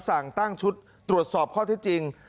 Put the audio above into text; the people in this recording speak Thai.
สั่งตั้งชุดตรวจสอบข้อที่จริง